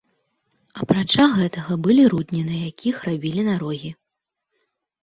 Апрача гэтага, былі рудні, на якіх рабілі нарогі.